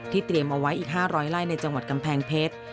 เตรียมเอาไว้อีก๕๐๐ไร่ในจังหวัดกำแพงเพชร